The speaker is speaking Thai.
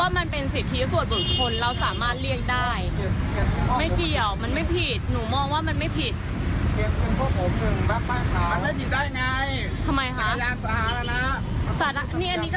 มันเป็นสิทธิของบุคคลไงครับไม่เกี่ยวอันนี้มันสิทธิส่วนบุคคลที่เขาจะเรียก